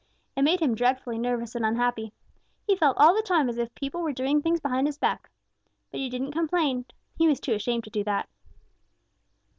It made him dreadfully nervous and unhappy. He felt all the time as if people were doing things behind his back. But he didn't complain. He was ashamed to do that.